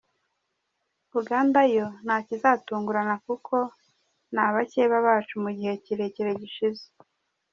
Uganda yo nta kizatungurana kuko ni abakeba bacu mu gihe kirekire gishize.